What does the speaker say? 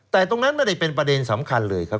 แต่ตรงนั้นไม่ได้เป็นประเด็นสำคัญเลยครับ